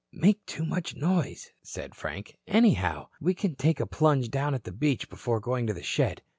"Make too much noise," said Frank. "Anyhow, we can take a plunge down at the beach before going to the shed.